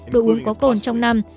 đồ uống có cồn trong năm